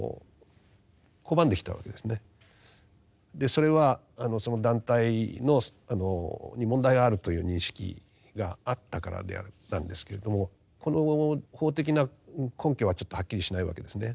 それはその団体に問題があるという認識があったからなんですけれどもこの法的な根拠はちょっとはっきりしないわけですね。